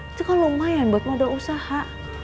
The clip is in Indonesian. itu kan lumayan buat modal usaha